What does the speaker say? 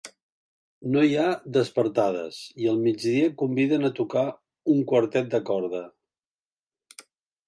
No hi ha despertades i al migdia conviden a tocar un quartet de corda.